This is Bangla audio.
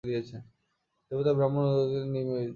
দেবতা ব্রাহ্মণ ও অতিথি-সেবায় নিযুক্ত।